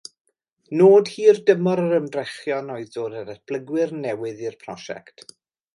Nod hirdymor yr ymdrechion oedd dod â datblygwyr newydd i'r prosiect.